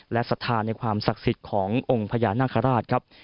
และศรัทธาในความศักดิ์สิทธิ์ขององค์พญานาคาราชครับ